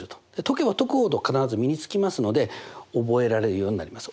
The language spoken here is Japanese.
解けば解くほど必ず身につきますので覚えられるようになります。